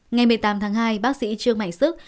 ngày một mươi tám tháng hai bác sĩ trương nguyễn